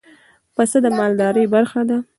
پسه د مالدارۍ برخه ده.